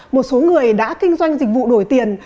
một số người đã kinh doanh dịch vụ đổi tiền